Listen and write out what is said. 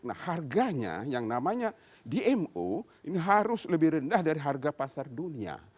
nah harganya yang namanya dmo ini harus lebih rendah dari harga pasar dunia